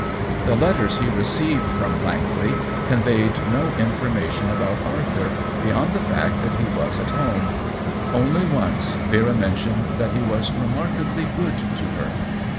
The letters he received from Blankley conveyed no information about Arthur beyond the fact that he was at home ; only once Vera mentioned that he was " remarkably good " to her.